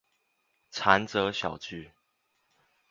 長者小聚